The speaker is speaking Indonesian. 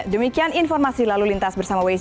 demikian informasi lalu lintas bersama waze